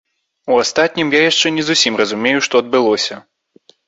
У астатнім, я яшчэ не зусім разумею, што адбылося.